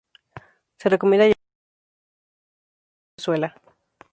Se recomienda llevar calzado fuerte y robusto, sobre todo de suela.